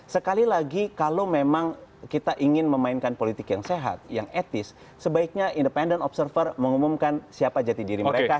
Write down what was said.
sekali lagi kalau memang kita ingin memainkan politik yang sehat yang etis sebaiknya independent observer mengumumkan siapa jati diri mereka